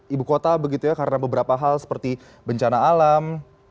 ibu kota begitu ya karena beberapa hal seperti bencana alam